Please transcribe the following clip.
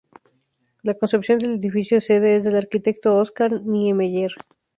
La concepción del Edificio sede es del arquitecto Oscar Niemeyer.